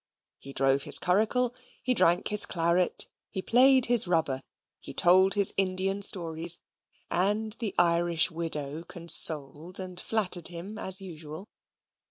He drove his curricle; he drank his claret; he played his rubber; he told his Indian stories, and the Irish widow consoled and flattered him as usual.